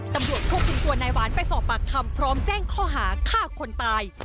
ตำรวจควบคุมตัวนายหวานไปสอบปากคำพร้อมแจ้งข้อหาฆ่าคนตาย